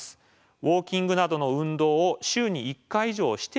「ウォーキングなどの運動を週に１回以上しているか」。